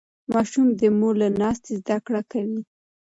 ماشوم د مور له ناستې زده کړه کوي.